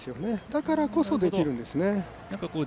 だからこそできるんですね。